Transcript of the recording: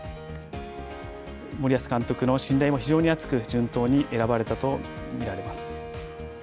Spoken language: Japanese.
森保監督の信頼も非常に厚く、順当に選ばれたとみられます。